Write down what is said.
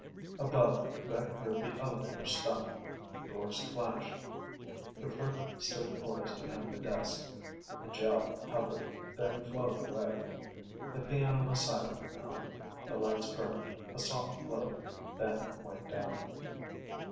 Above, Brett heard the elevator stop. Doors clashed. The clerk stood poised behind the desk. The Gel hovered, then flowed away. The piano was silent now. The lights burned, a soft glow, then winked out.